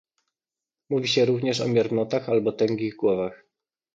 Mówi się również o miernotach albo tęgich głowach